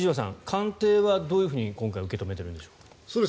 官邸はどんなふうに受け止めているんでしょうか。